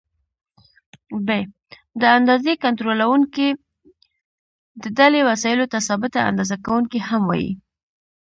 ب: د اندازې کنټرولوونکي: دې ډلې وسایلو ته ثابته اندازه کوونکي هم وایي.